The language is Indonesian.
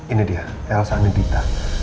ini dia elsa anindita